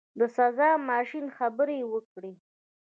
د سزا ماشین خبرې وکړې.